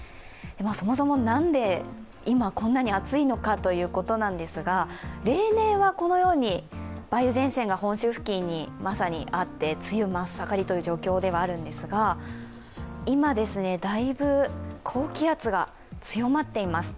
そもそも何で今こんなに暑いのかということなんですが、例年はこのように梅雨前線が本州付近にまさにあって梅雨真っ盛りという状況ではあるんですが、今、だいぶ高気圧が強まっています